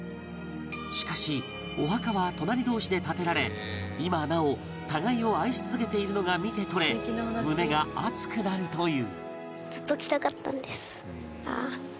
しかしお墓は隣同士で建てられ今なお互いを愛し続けているのが見て取れ胸が熱くなるという